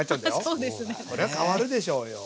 そりゃ変わるでしょうよ。